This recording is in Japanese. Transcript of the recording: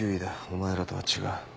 お前らとは違う。